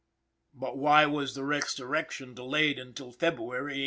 But why was the resurrection delayed until February, 1873?